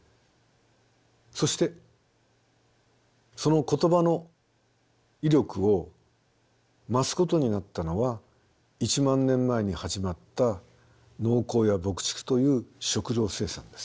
そしてその言葉の威力を増すことになったのは１万年前に始まった農耕や牧畜という食料生産です。